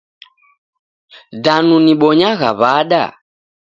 Danu nibonyagha wada?